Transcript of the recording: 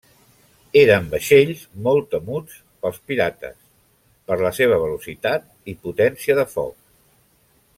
Eren vaixells molt temuts pels pirates, per la seva velocitat i potència de foc.